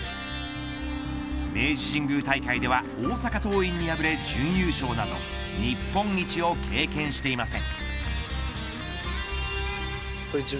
明治神宮大会では大阪桐蔭に敗れ準優勝など日本一を経験していません。